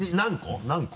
何個？